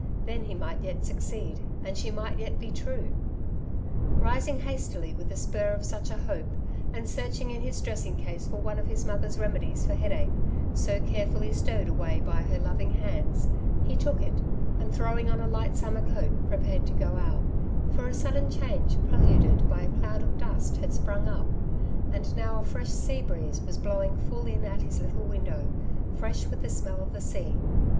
Then he might yet succeed, and she might yet be true. Rising hastily with the spur of such a hope, and searching in his dressing case for one of his mother^s remedies for headache, so carefully stowed away by her loving hands, he took it, and throwing ou a light summer coat prepared to go out ; for a sudden change preluded by a cloud of dust had sprung up, and now a fresh sea breeze was blowing full in at his little window, fresh with the smell of the sea.